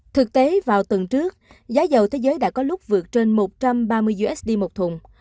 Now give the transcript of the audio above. thực tế vào tuần trước giá dầu thế giới đã có lúc vượt trên một trăm ba mươi usd một thùng